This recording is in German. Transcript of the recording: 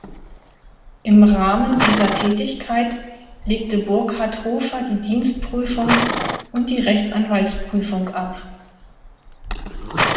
Im Rahmen dieser Tätigkeit legte Burkhard Hofer die Dienstprüfung und die Rechtsanwaltsprüfung ab.